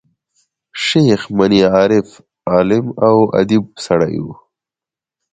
شېخ متي عارف، عالم او اديب سړی وو.